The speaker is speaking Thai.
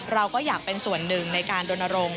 เราก็อยากเป็นส่วนหนึ่งในการดนรงค์